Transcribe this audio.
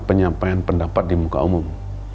penyampaian pendapat di muka umum